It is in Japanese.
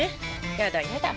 やだやだ。